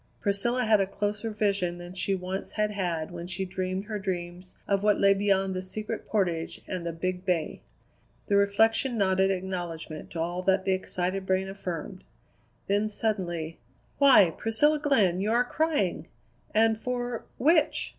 Priscilla had a closer vision than she once had had when she dreamed her dreams of what lay beyond the Secret Portage and the Big Bay. The reflection nodded acknowledgment to all that the excited brain affirmed. Then suddenly: "Why, Priscilla Glenn, you are crying! And for which?"